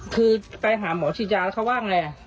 คือไปหาหมอฉีดยาแล้วเขาว่าไง